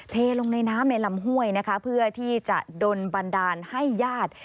เทลงในน้ำในลำห้วยนะคะเพื่อที่จะโดนบันดาลให้ญาติ